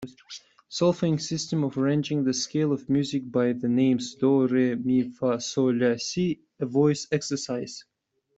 Solfaing system of arranging the scale of music by the names do, re, mi, fa, sol, la, si a voice exercise.